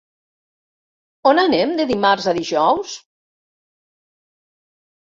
On anem de dimarts a dijous?